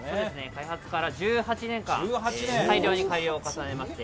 開発から１８年間改良に改良を重ねまして。